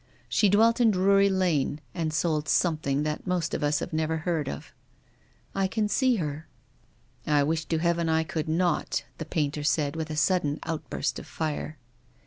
She dwelt in Drury Lane and sold somelhing that most of us have never heard of." " I can see her," 30 TONGUES OF CONSCIENCE. " I wish to heaven I could not," the painter said, with a sudden outburst of fire.